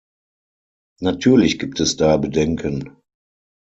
Natürlich gibt es da Bedenken.